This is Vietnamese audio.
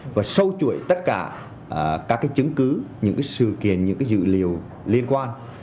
và sâu chuỗi tất cả các chứng cứ những sự kiện những dự liệu liên quan